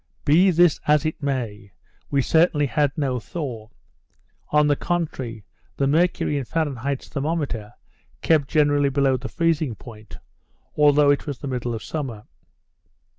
Be this as it may, we certainly had no thaw; on the contrary, the mercury in Fahrenheit's thermometer kept generally below the freezing point, although it was the middle of summer.